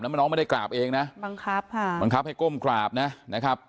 น้องไม่ได้กราบเองนะบังคับค่ะบังคับให้ก้มกราบนะนะครับ